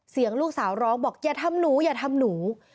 เสียงลูกสาวร้องบอกอย่าทำหนูอย่าทำหนู